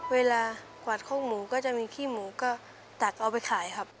เวลากวาดโคกหมูก็จะมีขี้หมูก็ตักเอาไปขายครับ